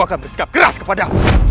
aku akan bersikap keras kepada